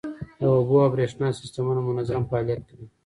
د اوبو او بریښنا سیستمونه منظم فعالیت کوي.